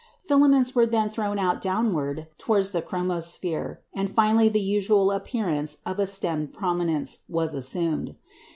Filaments were then thrown out downward towards the chromosphere, and finally the usual appearance of a "stemmed prominence" was assumed.